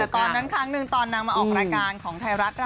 แต่ตอนนั้นครั้งหนึ่งตอนนางมาออกรายการของไทยรัฐ